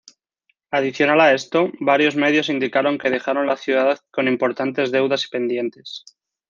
Adicional a esto, varios medios indicaron que dejaron la ciudad con importantes deudas pendientes.